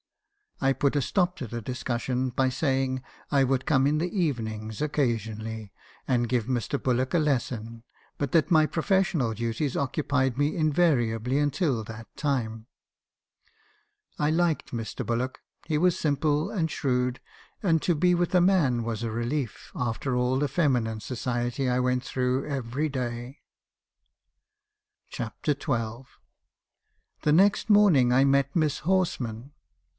"I put a stop to the discussion by saying I would come in in the evenings occasionally, and give Mr. Bullock a lesson, but that my professional duties occupied me invariably until that time. "I liked Mr. Bullock. He was simple, and shrewd; and to be with a man was a relief, after all the feminine society I went through every day. CHAPTER XH. "The next morning I met Miss Horsman.